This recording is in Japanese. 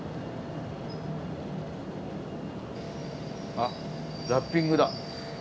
あラッピングだ。